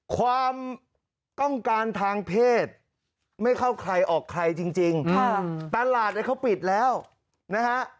ความต้องการทางเพศไม่เข้าใครออกใครจริงตลาดเนี่ยเขาปิดแล้วนะฮะ